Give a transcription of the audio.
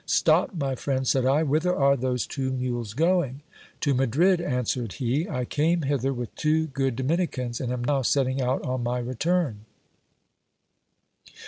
Stop, my friend, said I, whither are those two mules going ? To Madrid, answered he. I came hither with two good Dominicans, and am now setting out on my return.